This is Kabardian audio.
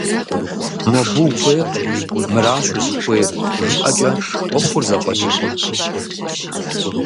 Мобы ухуейкъым, мыращ узыхуейр жыпӏэкӏэ ӏуэхур зэфӏэкӏыркъым.